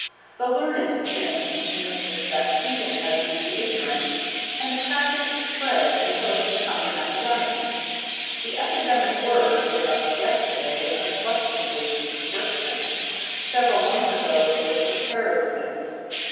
The learned sin in this respect even as do the ignorant, and the practise spreads until it becomes an epidemic. The epidemic word with us yesterday was unquestionably "conscription"; several months ago it was "preparedness."